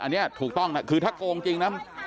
อันนี้ถูกต้องนะคือถ้าโกงจริงนะ